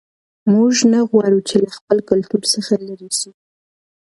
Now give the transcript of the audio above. موږ نه غواړو چې له خپل کلتور څخه لیرې سو.